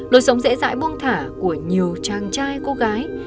lối sống dễ dãi buông thả của nhiều chàng trai cô gái